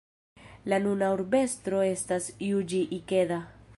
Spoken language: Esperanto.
La nuna urbestro estas Juĝi Ikeda.